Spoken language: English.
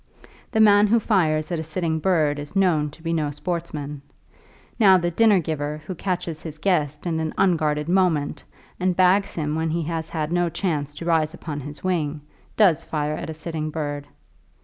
The man who fires at a sitting bird is known to be no sportsman. Now, the dinner giver who catches his guest in an unguarded moment, and bags him when he has had no chance to rise upon his wing, does fire at a sitting bird.